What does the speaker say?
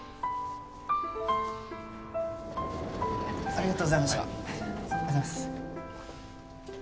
ありがとうございます。